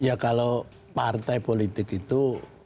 ya kalau partai politik itu